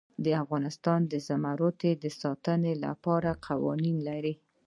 افغانستان د زمرد د ساتنې لپاره قوانین لري.